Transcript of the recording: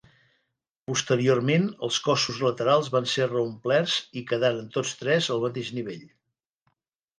Posteriorment els cossos laterals van ser reomplerts i quedaren tots tres al mateix nivell.